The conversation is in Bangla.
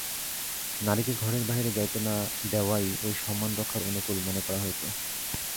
নারীকে ঘরের বাহিরে যাইতে না দেওয়াই ঐ সম্মান রক্ষার অনুকূল মনে করা হইত।